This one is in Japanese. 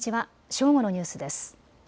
正午のニュースです。